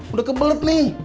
udah kebelet nih